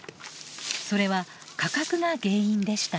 それは価格が原因でした。